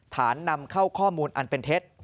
นำเข้าข้อมูลอันเป็นเท็จ